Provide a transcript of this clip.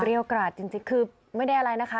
กราดจริงคือไม่ได้อะไรนะคะ